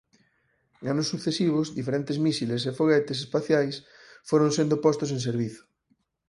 En anos sucesivos diferente mísiles e foguetes espaciais foron sendo postos en servizo.